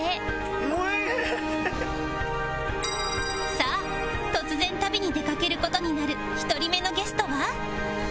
さあ突然旅に出かける事になる１人目のゲストは？